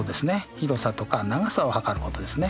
広さとか長さを測ることですね。